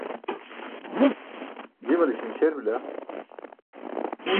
jimale śimśer bila.